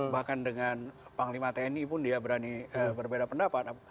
bahkan dengan panglima tni pun dia berani berbeda pendapat